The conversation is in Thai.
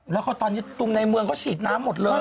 แล้วก็ตอนนี้รุ่นให้ตุ้นในเมืองเขาฉีดน้ำหมดเลย